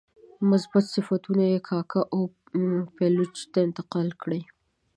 مثبت صفتونه یې کاکه او پایلوچ ته انتقال کړي.